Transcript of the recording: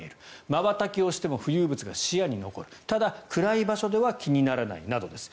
まばたきをしても浮遊物が視野に残るただ暗い場所では気にならないなどです。